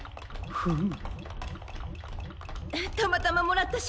フム！？